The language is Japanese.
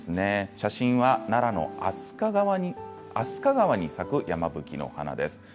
写真は奈良の飛鳥川に咲くヤマブキの花です。